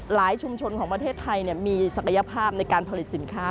ชุมชนของประเทศไทยมีศักยภาพในการผลิตสินค้า